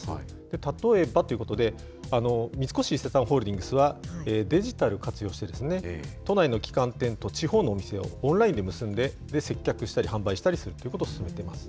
例えばということで、三越伊勢丹ホールディングスは、デジタルを活用して、都内の旗艦店と地方のお店をオンラインで結んで接客したり、販売したりするということを進めています。